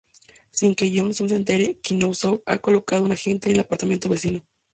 Sin que Yeon-soo se entere, Kwon-sook ha colocado un agente en el apartamento vecino.